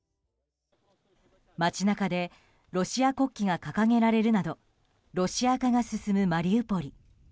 街中でロシア国旗が掲げられるなどロシア化が進むマリウポリ。